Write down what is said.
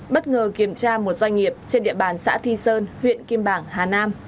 bất ngờ kiểm tra một doanh nghiệp trên địa bàn xã thi sơn huyện kim bảng hà nam